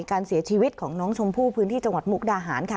การเสียชีวิตของน้องชมพู่พื้นที่จังหวัดมุกดาหารค่ะ